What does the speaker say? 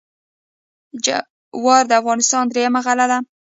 جوار د افغانستان درېیمه غله ده.